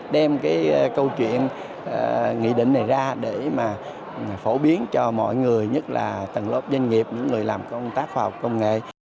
đem cái câu chuyện nghị định này ra để mà phổ biến cho mọi người nhất là tầng lớp doanh nghiệp những người làm công tác khoa học công nghệ